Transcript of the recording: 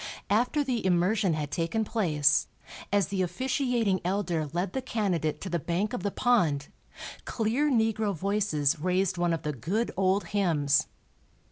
After the immersion had taken place, as the officiating "elder" led the candidate to the bank of the pond, clear negro voices raised one of the good old hymns.